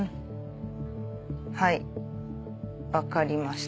はい分かりました。